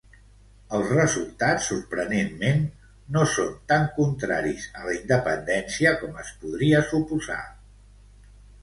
Els resultats, sorprenentment, no son tan contraris a la independència com es podria suposar.